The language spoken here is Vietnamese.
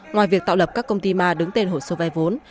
ngoài việc tạo lập các công ty ma đứng tên hồ sơ vay vốn